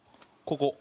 ここ。